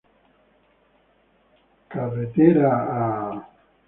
Road to...